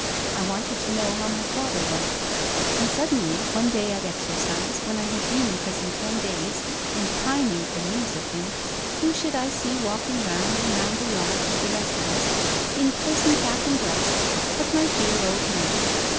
I wanted to know how my father was; and suddenly, one day at exercise, when I had been in prison ten days and pining for news of him, who should I 6ee walking round and round the yard with the rest of us, in prison cap and dress, but my dear old nurse.